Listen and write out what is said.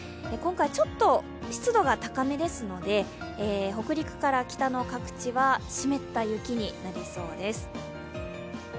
今回ちょっと湿度が高めですので、北陸から北の各地は湿った雪になりそうです。